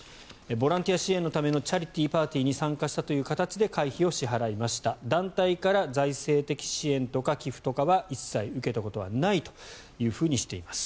ボランティア支援のためのチャリティーパーティーに参加したという形で会費を支払いました団体から財政的支援とか寄付とかは一切受けたことはないとしています。